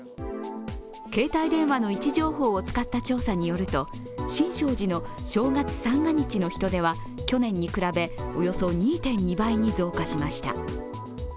携帯電話の位置情報を使った調査によると新勝寺の正月三が日の人出は去年に比べ、およそ２．２倍に増加しました。